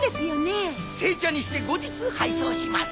製茶にして後日配送します。